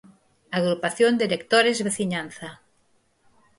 Agrupación de Electores Veciñanza.